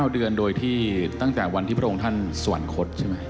๙เดือนโดยที่ตั้งแต่วันที่พระองค์ท่านสวรรคตใช่ไหม